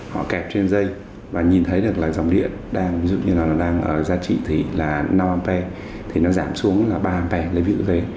họ kẹp trên dây và nhìn thấy được là dòng điện đang giảm xuống là ba ampere